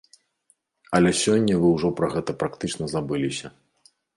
Але сёння вы ўжо пра гэта практычна забыліся.